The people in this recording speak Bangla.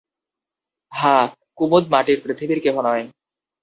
হা, কুমুদ মাটির পৃথিবীর কেহ নয়।